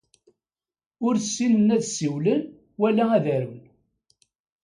Ur ssinen ad ssiwlen wala ad arun.